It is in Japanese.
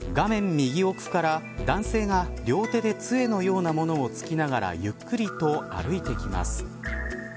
右奥から男性が両手で杖のようなものをつきながらゆっくりと歩いてきます。